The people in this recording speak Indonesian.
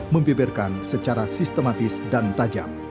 membeberkan secara sistematis dan tajam